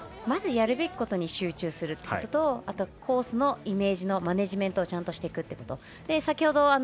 まずやるべきことに集中することとあと、コースのイメージのマネジメントをちゃんとしていくということ